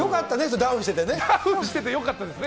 ダウンしててよかったですよ。